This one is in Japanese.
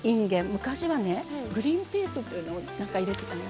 昔はねグリーンピースというのを入れてたのよ。